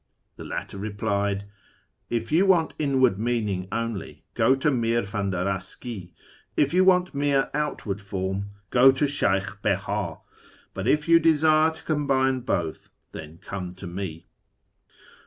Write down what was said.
The latter replied, " If you want inward meaning only, go to Mir Fandaraski; if you want mere out ward form, go to Sheykh Beha ; but if you desire to combine both, then come to me."